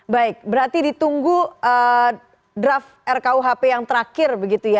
baik berarti ditunggu draft rkuhp yang terakhir begitu ya